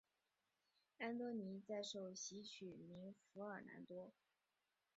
安多尼在受洗取名福尔南多。